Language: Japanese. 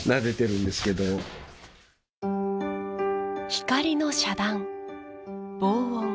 光の遮断、防音